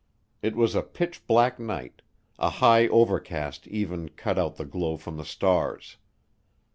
It was a pitch black night; a high overcast even cut out the glow from the stars.